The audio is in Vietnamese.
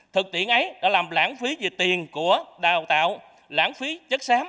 thực tiễn ấy đã làm lãng phí về tiền của đào tạo lãng phí chất xám